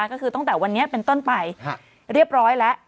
ก็คือตั้งแต่วันนี้เป็นต้นไปเรียบร้อยแล้ว